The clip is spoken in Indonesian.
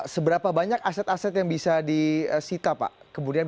seberapa banyak aset aset yang bisa disita pak